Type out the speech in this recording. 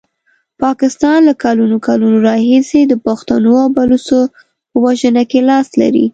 پاکستان له کلونو کلونو راهیسي د پښتنو او بلوڅو په وژنه کې لاس لري.